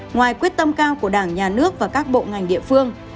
ngoài quyết tâm cao của đảng nhà nước và các bộ ngành địa phương